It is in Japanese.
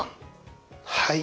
はい。